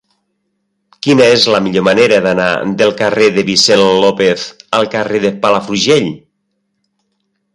Quina és la millor manera d'anar del carrer de Vicent López al carrer de Palafrugell?